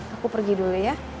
aku pergi dulu ya